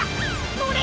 のれ！